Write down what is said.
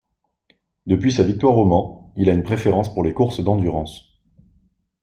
Depuis sa victoire au Mans, il a une préférence pour les courses d'endurance.